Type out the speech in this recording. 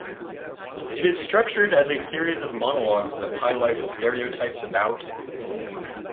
It is structured as a series of monologues that highlights stereotypes about.